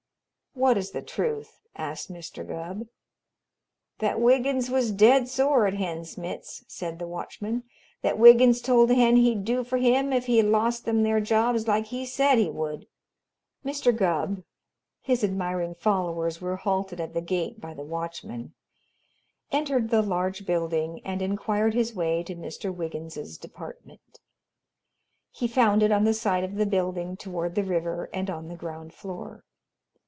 "What is the truth?" asked Mr. Gubb. "That Wiggins was dead sore at Hen Smitz," said the watchman. "That Wiggins told Hen he'd do for him if he lost them their jobs like he said he would. That's the truth." Mr. Gubb his admiring followers were halted at the gate by the watchman entered the large building and inquired his way to Mr. Wiggins's department. He found it on the side of the building toward the river and on the ground floor.